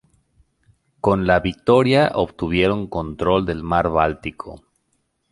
Con la victoria obtuvieron control del mar Báltico.